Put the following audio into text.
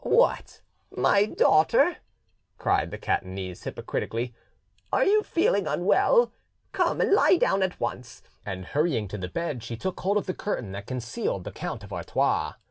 "What, my daughter," cried the Catanese hypocritically, "are you feeling unwell? Come and lie down at once." And hurrying to the bed, she took hold of the curtain that concealed the Count of Artois.